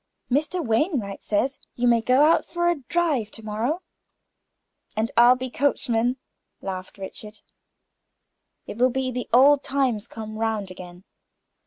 "Mr. Wainwright says you may go out for a drive to morrow." "And I'll be coachman," laughed Richard. "It will be the old times come round again.